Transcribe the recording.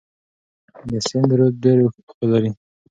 د سند رود ډیر اوبه لري.